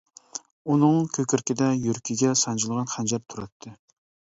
ئۇنىڭ كۆكرىكىدە يۈرىكىگە سانجىلغان خەنجەر تۇراتتى.